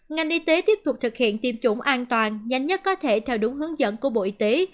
ngành y tế tiếp tục thực hiện tiêm chủng an toàn nhanh nhất có thể theo đúng hướng dẫn của bộ y tế